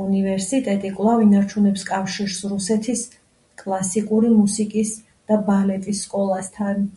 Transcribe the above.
უნივერსიტეტი კვლავ ინარჩუნებს კავშირს რუსეთის კლასიკური მუსიკის და ბალეტის სკოლასთან.